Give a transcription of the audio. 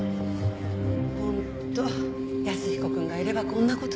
本当安彦くんがいればこんな事には。